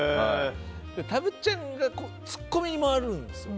たぶっちゃんがツッコミに回るんですよ。